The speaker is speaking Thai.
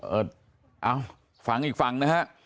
เออเอาฟังอีกฝั่งนะฮะ